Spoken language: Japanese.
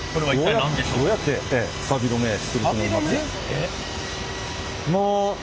えっ？